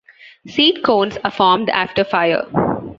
Seed cones are formed after fire.